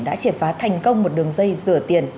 đã triệt phá thành công một đường dây rửa tiền